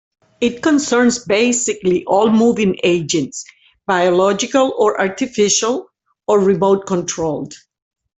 It concerns basically all moving agents, biological or artificial, or remote-controlled.